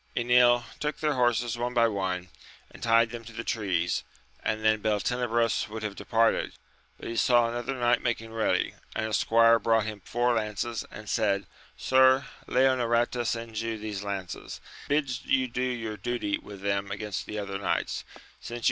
Enil took their horses one by one, and tied them to the trees, and then Beltenebros would have departed ; but he saw another knight making ready, and a squire brought him four lances, and said, sir, Leonoreta sends you these lances, and bids you do your duty with them against the other knights, since you AMADIS OF GAUL.